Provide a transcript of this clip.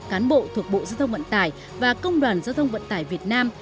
cán bộ thuộc bộ giao thông vận tải và công đoàn giao thông vận tải việt nam